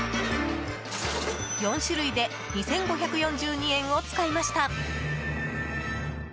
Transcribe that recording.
４種類で２５４２円を使いました。